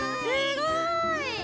すごい！